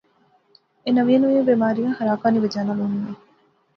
اے نویاں نویاں بیماریاں خراکا نی وجہ سی ہونیاں